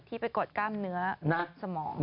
ที่ไปกดกล้ามเนื้อสมอง